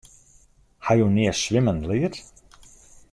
Ha jo nea swimmen leard?